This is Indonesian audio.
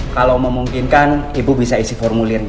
kalau memungkinkan ibu bisa isi formulirnya